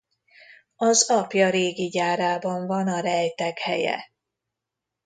Az apja régi gyárában van a rejtekhelye.